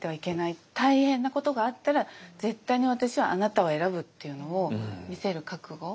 大変なことがあったら絶対に私はあなたを選ぶっていうのを見せる覚悟